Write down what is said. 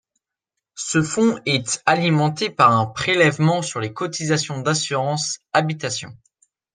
Ce fonds est alimenté par un prélèvement sur les cotisations d’assurances « habitation ».